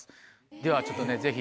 ではちょっとねぜひ。